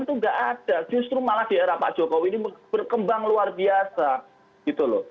itu nggak ada justru malah di era pak jokowi ini berkembang luar biasa gitu loh